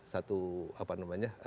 satu apa namanya